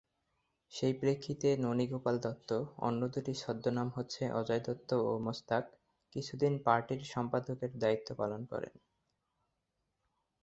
সেই প্রেক্ষিতে ননী গোপাল দত্ত, অন্য দুটি ছদ্মনাম হচ্ছে অজয় দত্ত ও মোস্তাক, কিছুকাল পার্টির সম্পাদকের দায়িত্ব পালন করেন।